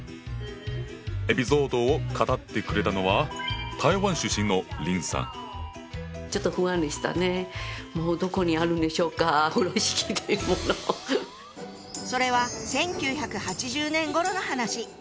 エピソードを語ってくれたのはそれは１９８０年ごろの話。